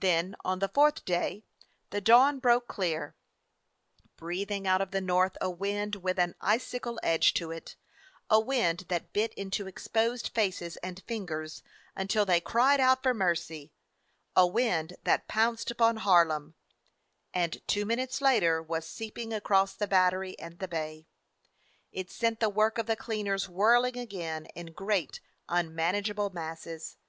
Then, on the fourth day, the dawn broke clear, breathing out of the north a wind with an icicle edge to it; a wind that bit into exposed faces and fingers until they cried out for mercy; a wind that pounced upon Harlem, and two minutes later was sweeping across the Battery and the bay. It sent the work of the cleaners whirling again in great unmanageable masses.